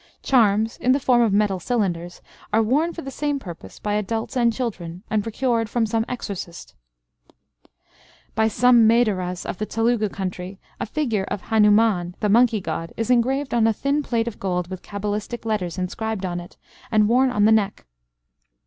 Charms, in the form of metal cylinders, are worn for the same purpose by adults and children, and procured from some exorcist. By some Medaras of the Telugu country, a figure of Hanuman (the monkey god) is engraved on a thin plate of gold with cabalistic letters inscribed on it, and worn on the neck.